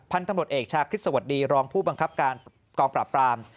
พันธุ์ตำรวจเอกชาคริสสวัสดีรองผู้บังคับการกองปราบปราม